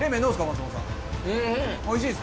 松本さん。